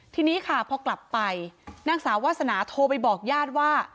ทีนี้ค่ะพอกลับไปนางสาววาสนาโทรไปบอกญาติว่า